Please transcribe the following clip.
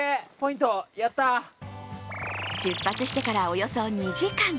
出発してからおよそ２時間。